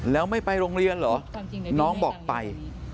แล้วไม่ไปโรงเรียนเหรอน้องบอกไป